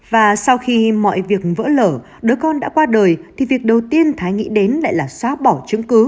và sau khi mọi việc vỡ lở đứa con đã qua đời thì việc đầu tiên thái nghĩ đến lại là xóa bỏ chứng cứ